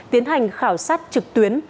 tiến hành khảo sát trực tuyến